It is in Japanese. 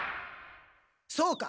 そうか。